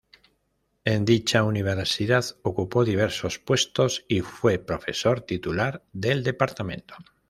En dicha universidad ocupó diversos puestos y fue profesor Titular del Dpto.